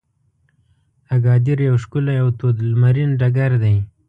اګادیر یو ښکلی او تود لمرین ډګر دی.